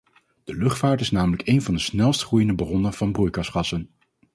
De luchtvaart is namelijk een van de snelst groeiende bronnen van broeikasgassen.